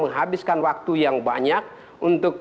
menghabiskan waktu yang banyak untuk